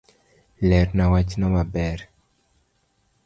Lerna wachno maber